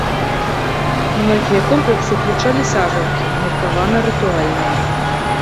Многія комплексы ўключалі сажалкі, меркавана рытуальныя.